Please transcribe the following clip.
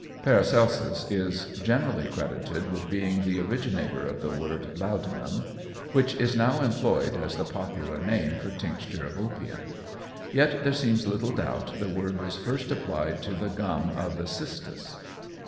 Paracelsus is generally credited with being the originator of the word "laudanum," which is now employed as the popular name for tincture of opium. Yet there seems little doubt the word was first applied to the gum of the cistus.